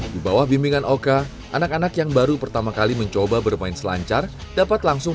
di bawah bimbingan oka anak anak yang baru pertama kali mencoba bermain selancar dapat langsung